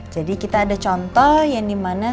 jadi kita ada contoh yang dimana